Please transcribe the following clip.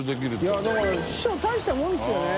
いだから師匠たいしたもんですよね。